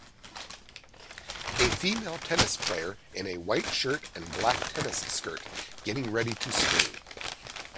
A female tennis player in a white shirt and black tennis skirt getting ready to swing